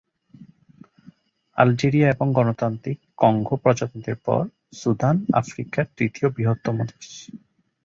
Algeria এবং গণতান্ত্রিক Congo প্রজাতন্ত্রের পর সুদান আফ্রিকার তৃতীয় বৃহত্তম দেশ।